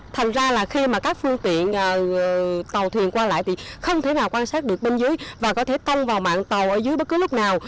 thành ra là khi mà các phương tiện tàu thuyền qua lại thì không thể nào quan sát được bên dưới và có thể tông vào mạng tàu ở dưới bất cứ lúc nào